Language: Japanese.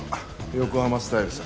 横浜スタイルさ。